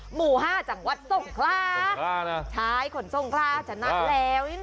หมู่๕จังหวัดส้งคลาใช่ขนส้งคลาชนะแล้ว